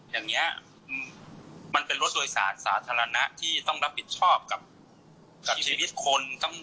อย่างนี้มันเป็นรถโดยสารสาธารณะที่ต้องรับผิดชอบกับชีวิตคน